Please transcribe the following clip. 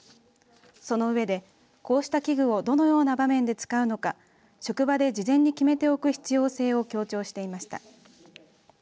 その上で、こうした器具をどのような場面で使うのか職場で事前に決めておく必要性を強調していました。